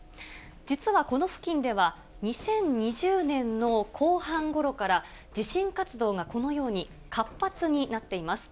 実はこの付近では、２０２０年の後半ごろから、地震活動がこのように活発になっています。